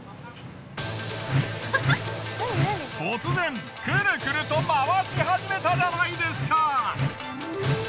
突然クルクルと回し始めたじゃないですか！